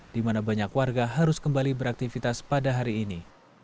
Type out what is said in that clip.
di mana banyak warga harus kembali beraktivitas pada hari ini